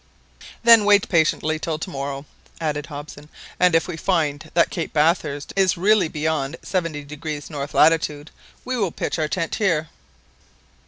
"Then wait patiently till to morrow," added Hobson; "and if we find that Cape Bathurst is really beyond 70° north latitude, we will pitch our tent here."